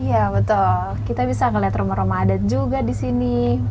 iya betul kita bisa melihat rumah rumah adat juga di sini